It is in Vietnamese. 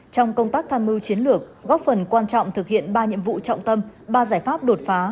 trong công tác tham mưu chiến lược góp phần quan trọng thực hiện ba nhiệm vụ trọng tâm ba giải pháp đột phá